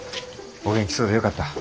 お元気そうでよかった。